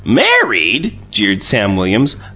"Married!" jeered Sam Williams.